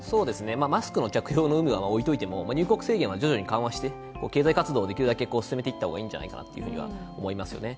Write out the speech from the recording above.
マスクの着用の有無は置いておいても入国制限は徐々に緩和して経済活動をできるだけ進めていった方がいいと言われていますよね。